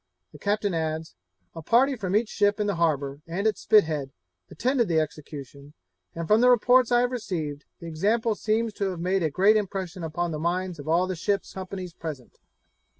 The captain adds, 'A party from each ship in the harbour, and at Spithead, attended the execution, and from the reports I have received, the example seems to have made a great impression upon the minds of all the ships' companies present.'